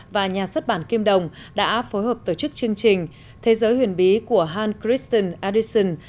và nhà xuất bản kim đồng đã phối hợp tổ chức chương trình thế giới huyền bí của hans christian edison